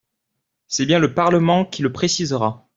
C’est bien le Parlement qui le précisera.